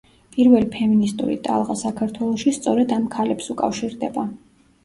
პირველი ფემინისტური ტალღა საქართველოში სწორედ ამ ქალებს უკავშირდება.